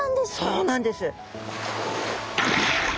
そうなんです。